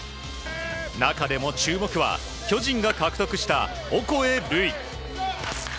中でも注目は巨人が獲得したオコエ瑠偉。